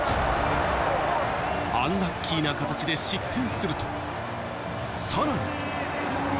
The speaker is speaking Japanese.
アンラッキーな形で失点すると、さらに。